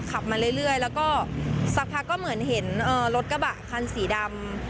ขับมาเรื่อยแล้วก็สักพักก็เหมือนเห็นรถกระบะคันสีดำ